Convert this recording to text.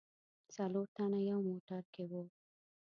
څلور تنه یو موټر کې و.